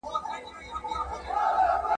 زه په نیمه شپه کي له باران سره راغلی وم ,